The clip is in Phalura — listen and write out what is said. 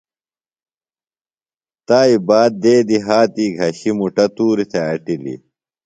تائی باد دیدی ہاتھی گھشی مُٹہ توری تھے اٹِلیۡ